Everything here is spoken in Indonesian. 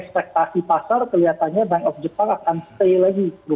ekspektasi pasar kelihatannya bank of jepang akan stay lagi